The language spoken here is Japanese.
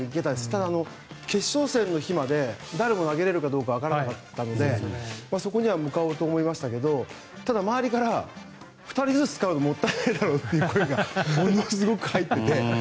ただ、決勝戦の日までダルも投げれるかどうか分からなかったのでそこには向かおうと思いましたがただ、周りから２人ずつ使うのはもったいないだろうという声がものすごく入っていて。